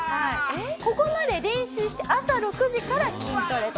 ここまで練習して朝６時から筋トレと。